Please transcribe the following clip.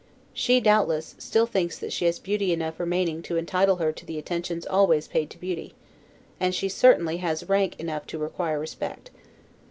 She, doubtless, still thinks that she has beauty enough remaining to entitle her to the attentions always paid to beauty; and she has certainly rank enough to require respect.